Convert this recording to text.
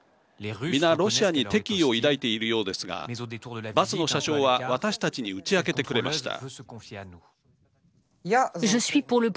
皆ロシアに敵意を抱いているようですがバスの車掌は私たちに打ち明けてくれました。